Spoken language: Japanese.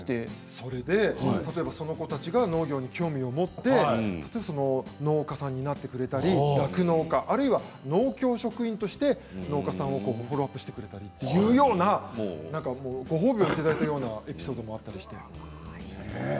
それでその子たちが農業に興味を持って農家さんになってくれたり酪農家あるいは農協職員として農家さんをフォローアップしてくれる、そういうようなご褒美をいただくようなエピソードもありました。